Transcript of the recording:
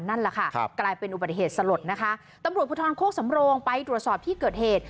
นั่นแหละค่ะครับกลายเป็นอุบัติเหตุสลดนะคะตำรวจภูทรโคกสำโรงไปตรวจสอบที่เกิดเหตุ